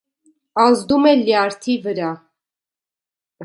Ազդում է լյարդի վրա։